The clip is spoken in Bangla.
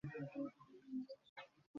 এরকম হলে দেখা যাবে।